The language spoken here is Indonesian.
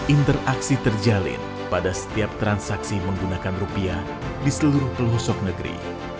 interaksi terjalin pada setiap transaksi menggunakan rupiah di seluruh pelosok negeri